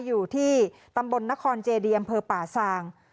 อยู่ที่ตำบลนครเจเดียมพปาซาง